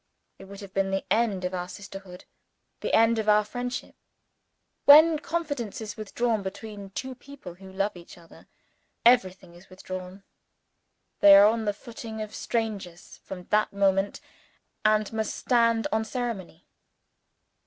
It would have been the end of our sisterhood the end of our friendship. When confidence is withdrawn between two people who love each other everything is withdrawn. They are on the footing of strangers from that moment, and must stand on ceremony.